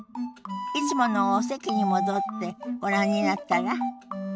いつものお席に戻ってご覧になったら？